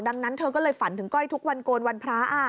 ดังนั้นเธอก็เลยฝันถึงก้อยทุกวันโกนวันพระ